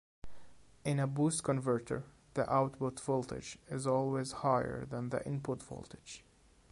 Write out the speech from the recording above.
In a boost converter, the output voltage is always higher than the input voltage.